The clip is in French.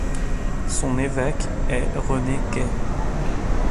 Son évêque est René Guay.